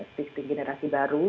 speaking generasi baru